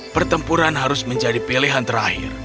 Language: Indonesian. pertempuran harus menjadi pilihan terakhir